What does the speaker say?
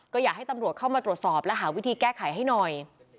ก็อยากให้ตำรวจเข้ามาตรวจสอบและหาวิธีแก้ไขให้หน่อย